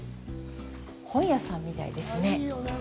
本屋さんみたいですね。